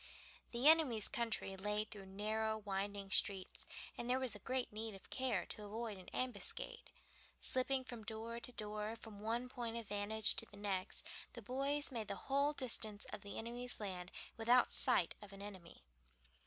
The enemy's country lay through narrow winding streets, and there was great need of care to avoid an ambuscade. Slipping from door to door, from one point of vantage to the next, the boys made the whole distance of the enemy's land without sight of an enemy.